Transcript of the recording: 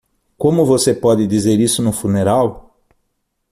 Como você pode dizer isso no funeral?